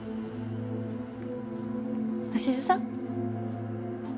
鷲津さん？